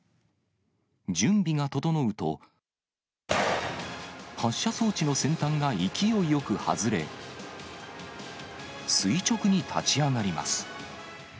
準備が整うと、発射装置の先端が勢いよく外れ、垂直に立ち上がります。